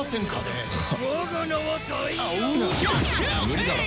無理だろ。